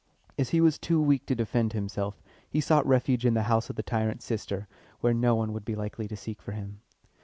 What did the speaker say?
As he was too weak to defend himself, he sought refuge in the house of the tyrant's sister, where no one would be likely to seek for him.